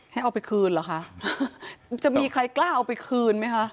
เอาไปคืนเหรอคะจะมีใครกล้าเอาไปคืนไหมคะ